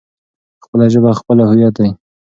خپله ژبه خپله هويت دی.